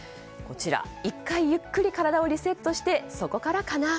１回ゆっくり体をリセットしてそこからかな。